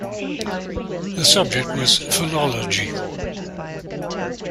The subject was philology.